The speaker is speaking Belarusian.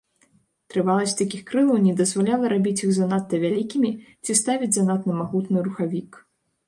Трываласць такіх крылаў не дазваляла рабіць іх занадта вялікімі ці ставіць занадта магутны рухавік.